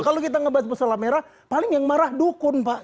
kalau kita ngebahas masalah merah paling yang marah dukun pak